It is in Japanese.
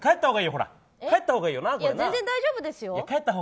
全然大丈夫ですよ！